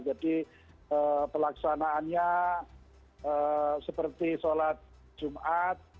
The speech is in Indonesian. jadi pelaksanaannya seperti sholat jumat